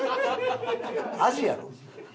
アジやろ？